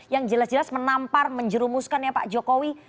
yang jelas jelas menampar menjerumuskan ya pak jokowi